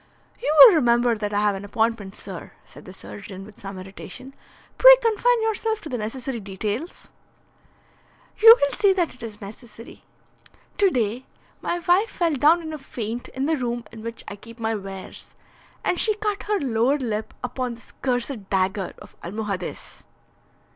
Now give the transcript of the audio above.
"You will remember that I have an appointment, sir," said the surgeon, with some irritation. "Pray confine yourself to the necessary details." "You will see that it is necessary. To day my wife fell down in a faint in the room in which I keep my wares, and she cut her lower lip upon this cursed dagger of Almohades."